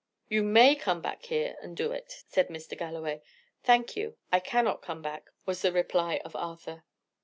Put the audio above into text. "You may come back here and do it," said Mr. Galloway. "Thank you, I cannot come back," was the reply of Arthur.